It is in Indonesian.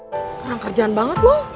orang kerjaan banget lo